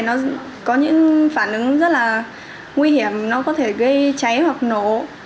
nó có những phản ứng rất là nguy hiểm nó có thể gây cháy hoặc nổ